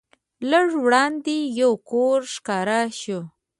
لږ وړاندې یو کور ښکاره شو.